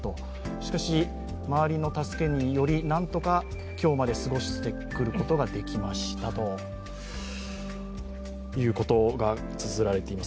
しかし、周りの助けにより何とか今日まで過ごしてくることができましたということがつづられています。